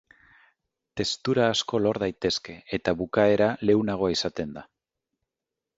Testura asko lor daitezke eta bukaera leunagoa izaten da.